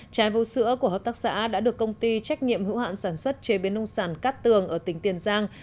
trái vũ sữa của hợp tác xã đã được công ty trách nhiệm hữu hạn sản xuất chế biến nông sản cát tường ở tỉnh tiền giang